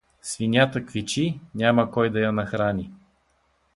Свинята квичи, няма кой да я нахрани.